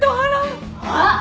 あっ！